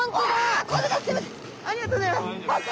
ありがとうございます。